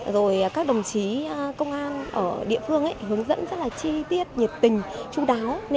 rồi các đồng chí công an ở địa phương hướng dẫn rất là chi tiết nhiệt tình chú đáo